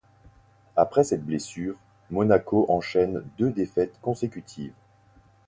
Après cette blessure, Monaco enchaîne deux défaites consécutives.